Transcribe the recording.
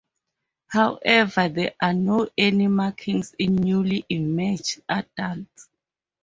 However there are no any markings in newly emerged adults.